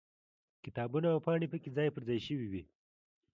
کتابونه او پاڼې پکې ځای پر ځای شوي وي.